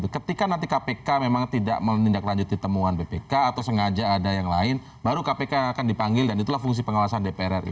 ketika nanti kpk memang tidak menindaklanjuti temuan bpk atau sengaja ada yang lain baru kpk akan dipanggil dan itulah fungsi pengawasan dpr ri